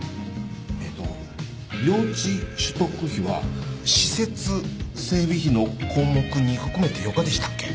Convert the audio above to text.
えっと用地取得費は施設整備費の項目に含めてよかでしたっけ？